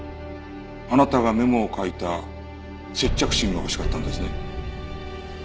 あなたがメモを書いた接着芯が欲しかったんですね。